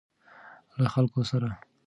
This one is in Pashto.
له خلکو سره.